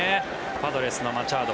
パドレスのマチャド。